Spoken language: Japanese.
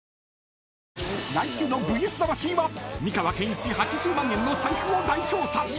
［来週の『ＶＳ魂』は美川憲一８０万円の財布を大調査！］